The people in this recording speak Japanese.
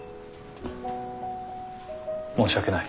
申し訳ない。